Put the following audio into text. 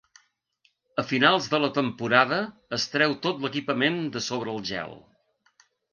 A finals de la temporada es treu tot l'equipament de sobre el gel.